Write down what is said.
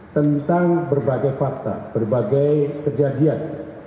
tentang berbagai fakta berbagai kejadian